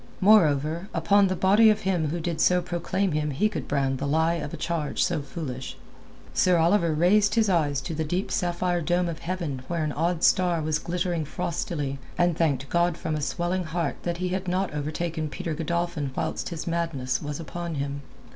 Moreover, upon the body of him who did so proclaim him he could brand the lie of a charge so foolish. Sir Oliver raised his eyes to the deep sapphire dome of heaven where an odd star was glittering frostily, and thanked God from a swelling heart that he had not overtaken Peter Godolphin whilst his madness was upon him.